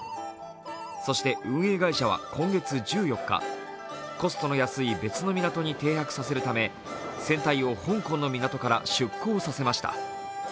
そして運営会社は今月１４日、コストの安い別の港に停泊させるため船体を香港の港から出港させました。